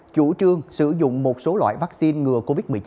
chủ trương sử dụng một số loại vaccine ngừa covid một mươi chín